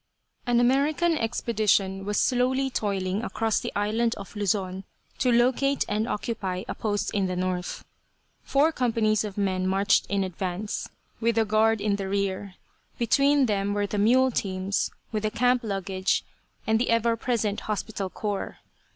An American expedition was slowly toiling across the island of Luzon to locate and occupy a post in the north. Four companies of men marched in advance, with a guard in the rear. Between them were the mule teams with the camp luggage and the ever present hospital corps.